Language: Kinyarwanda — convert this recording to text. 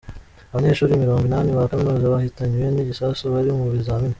Abanyeshuri mirongwinani ba Kaminuza bahitanywe n’igisasu bari mu bizamini